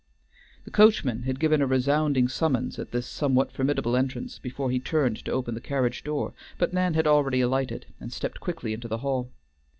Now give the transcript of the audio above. The coachman had given a resounding summons at this somewhat formidable entrance before he turned to open the carriage door, but Nan had already alighted, and stepped quickly into the hall.